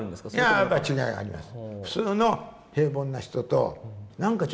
あやっぱり違いはあります。